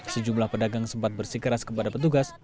sejumlah pedagang sempat bersikeras kepada petugas